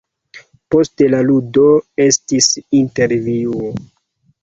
Post la ludo estis intervjuo.